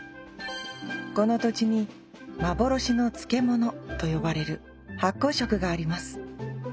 この土地に幻の漬物と呼ばれる発酵食があります。